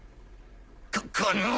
ここの！